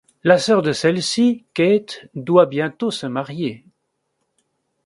La sœur de celle-ci, Kate, doit bientôt se marier.